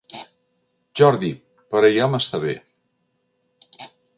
Jordi', però ja m'està bé.